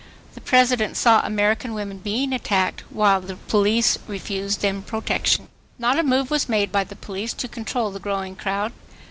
The President saw American women being attacked, while the police refused them protection. Not a move was made by the police to control the growing crowd.